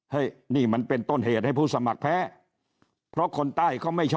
ให้นี่มันเป็นต้นเหตุให้ผู้สมัครแพ้เพราะคนใต้เขาไม่ชอบ